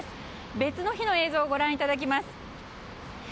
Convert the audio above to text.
別の日の映像をご覧いただきます。